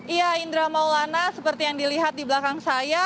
iya indra maulana seperti yang dilihat di belakang saya